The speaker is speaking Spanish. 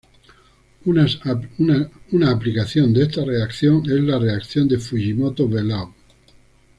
Unas aplicación de esta reacción es la reacción de Fujimoto-Belleau.